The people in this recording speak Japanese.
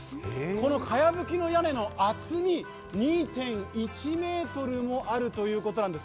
このかやぶきの屋根の厚み、２．１ｍもあるということです。